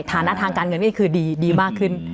ฐานะทางการเงินนี่คือดีมากขึ้น